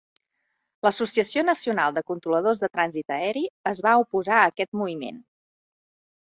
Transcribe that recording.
L'Associació Nacional de Controladors de Trànsit Aeri es va oposar a aquest moviment.